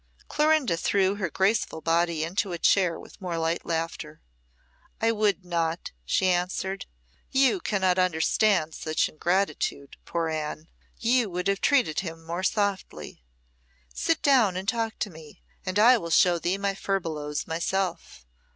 Clorinda threw her graceful body into a chair with more light laughter. "I would not," she answered. "You cannot understand such ingratitude, poor Anne; you would have treated him more softly. Sit down and talk to me, and I will show thee my furbelows myself.